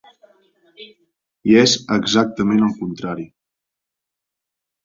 I és exactament al contrari.